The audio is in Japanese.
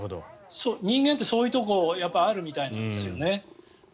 人間ってそういうところがあるみたいなんですよね。